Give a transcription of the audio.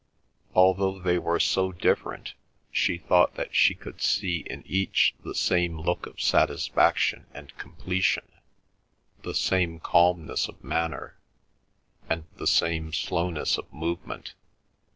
Although they were so different, she thought that she could see in each the same look of satisfaction and completion, the same calmness of manner, and the same slowness of movement.